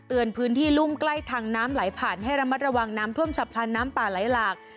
พื้นที่รุ่มใกล้ทางน้ำไหลผ่านให้ระมัดระวังน้ำท่วมฉับพลันน้ำป่าไหลหลาก